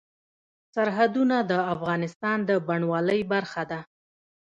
سرحدونه د افغانستان د بڼوالۍ برخه ده.